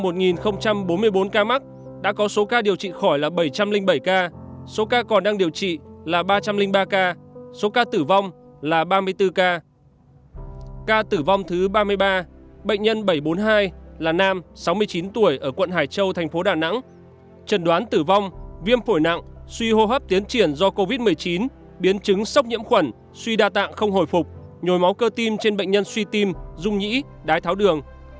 trần đoán tử vong viêm phổi nặng suy hô hấp tiến triển do covid một mươi chín biến chứng sốc nhiễm khuẩn suy đa tạng không hồi phục nhồi máu cơ tim trên bệnh nhân suy tim rung nhĩ đái tháo đường